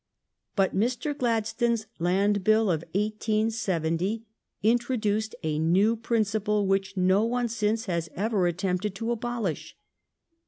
But Mr. Gladstone's land bill of 1870 introduced a new principle, which no one since has ever attempted to abolish.